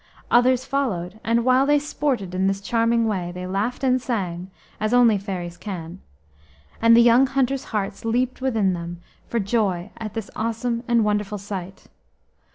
Others followed, and while they sported in this charming way, they laughed and sang as only fairies can, and the young hunters' hearts leaped within them for joy at this awesome and wonderful sight.